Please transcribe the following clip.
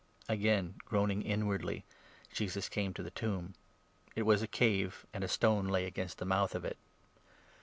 " Again groaning inwardly, Jesus came to the tomb. It was 38 a cave, and a stone lay against the mouth of it.